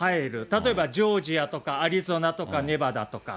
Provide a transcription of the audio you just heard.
例えばジョージアとかアリゾナとか、ネバダとか。